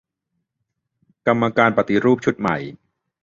กรรมการปฏิรูปชุดใหม่